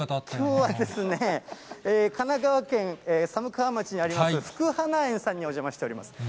きょうは神奈川県寒川町にあります、福花園さんにお邪魔しております。